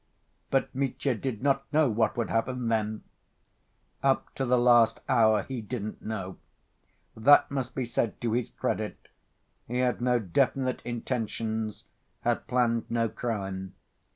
But Mitya did not know what would happen then. Up to the last hour he didn't know. That must be said to his credit. He had no definite intentions, had planned no crime.